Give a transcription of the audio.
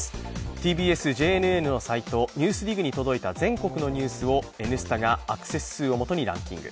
ＴＢＳ・ＪＮＮのサイト「ＮＥＷＳＤＩＧ」に届いた全国のニュースを「Ｎスタ」がアクセス数をもとにランキング。